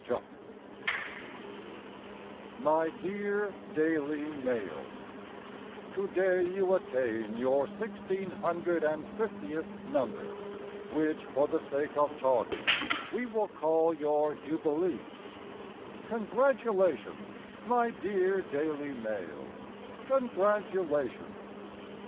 _ 3, 1901) My dear "Daily Mail," To day you attain Your 1,650th number, Which, for the sake of talking, We will call your Jubilee. Congratulations, My dear Daily Mail, Congratulations!